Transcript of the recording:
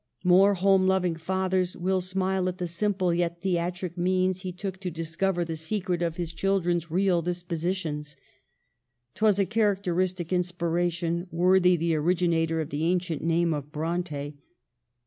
More home loving fathers will smile at the simple yet theatric means he took to discover the secret of his children's real dispositions. 'Twas a characteristic inspiration, worthy the originator of the ancient name of Bronte.